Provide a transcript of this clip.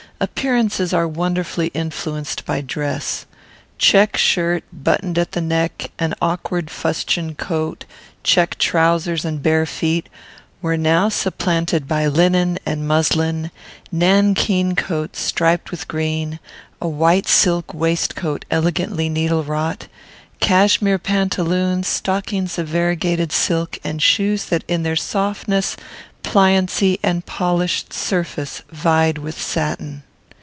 Appearances are wonderfully influenced by dress. Check shirt, buttoned at the neck, an awkward fustian coat, check trowsers and bare feet, were now supplanted by linen and muslin, nankeen coat striped with green, a white silk waistcoat elegantly needle wrought, cassimere pantaloons, stockings of variegated silk, and shoes that in their softness, pliancy, and polished surface vied with satin.